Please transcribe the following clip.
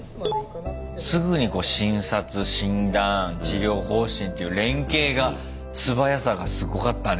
すぐに診察診断治療方針っていう連携が素早さがすごかったね。